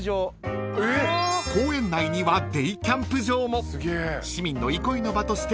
［公園内にはデイキャンプ場も］